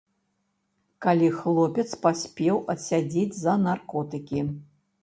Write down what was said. Калі хлопец паспеў адсядзець за наркотыкі.